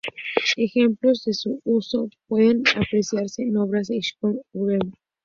Ejemplos de su uso pueden apreciarse en obras de Schönberg o Webern.